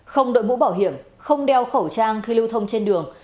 không đội mũ bảo hiểm không đeo khẩu trang khi lưu thông trên đường